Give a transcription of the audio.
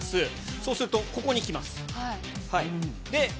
そうするとここに来ます。